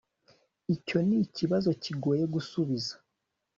Icyo nikibazo kigoye gusubiza